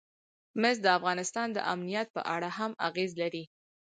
مس د افغانستان د امنیت په اړه هم اغېز لري.